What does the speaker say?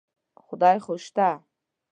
خدای خو شته.